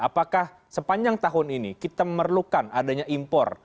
apakah sepanjang tahun ini kita memerlukan adanya impor